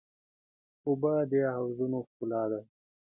اوبه د حوضونو ښکلا ده.